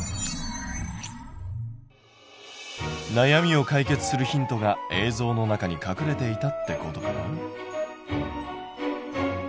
なやみを解決するヒントが映像の中に隠れていたってことかな？